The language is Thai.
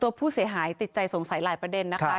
ผู้เสียหายติดใจสงสัยหลายประเด็นนะคะ